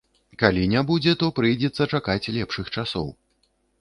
Калі не будзе, то прыйдзецца чакаць лепшых часоў.